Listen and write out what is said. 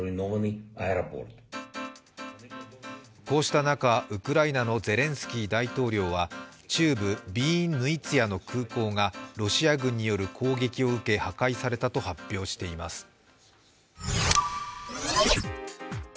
こうした中、ウクライナのゼレンスキー大統領は中部ヴィーンヌィツャの空港がロシア軍による攻撃を受け破壊されたと発表しています。